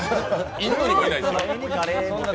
インドにもいないですよ。